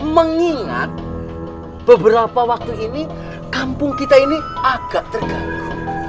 mengingat beberapa waktu ini kampung kita ini agak terganggu